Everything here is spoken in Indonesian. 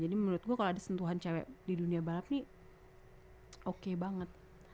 jadi menurut gue kalau ada sentuhan cewek di dunia balap ini oke banget